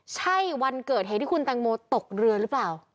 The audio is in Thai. ใช่วันเกิดเหตุที่คุณแตงโมตกเรือหรือเปล่า